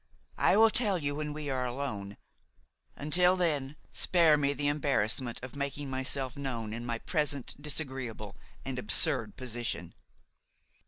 I will tell you when we are alone. Until then spare me the embarrassment of making myself known in my present disagreeable and absurd position."